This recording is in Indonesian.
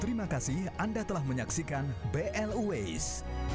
terimakasih anda telah menyaksikan blways